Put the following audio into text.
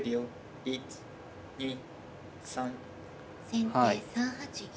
先手３八銀。